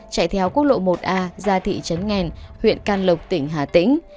chạy theo quốc lộ một a ra thị trấn nghèn huyện can lộc tỉnh hà tĩnh